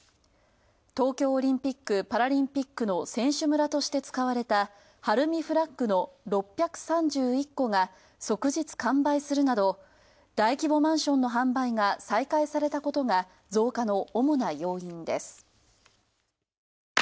東京オリンピック・パラリンピックの選手村として使われたＨＡＲＵＭＩＦＬＡＧの６３１戸が即日完売するなど大規模マンションの販売が再開されたことが増加の主な要因です。